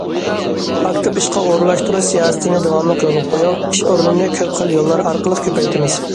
ئاكتىپ ئىشقا ئورۇنلاشتۇرۇش سىياسىتىنى داۋاملىق يولغا قويۇپ، ئىش ئورنىنى كۆپ خىل يوللار ئارقىلىق كۆپەيتىمىز.